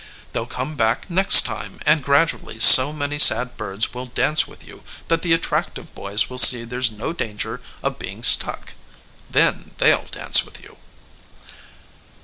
They'll come back next time, and gradually so many sad birds will dance with you that the attractive boys will see there's no danger of being stuck then they'll dance with you."